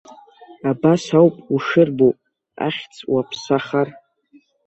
Абас ауп ушырбо ахьӡ уаԥсахар.